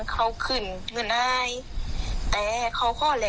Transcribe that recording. พอตำรวจเขาน่อเดือดร้อนใช่ม่ะเขาก็ว่าโอเคถ้าเมื่อนันเขาขึ้นมีอาย